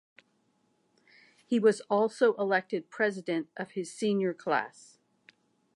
He was also elected president of his senior class.